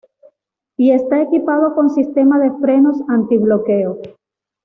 Y está equipado con sistema de frenos antibloqueo.